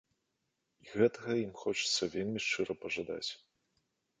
І гэтага ім хочацца вельмі шчыра пажадаць.